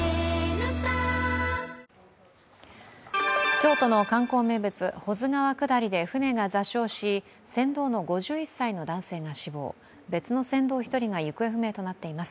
京都の観光名物、保津川下りで舟が座礁し、船頭の５１歳の男性が死亡別の船頭１人が行方不明となっています。